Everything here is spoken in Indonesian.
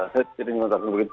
saya jadi memaksa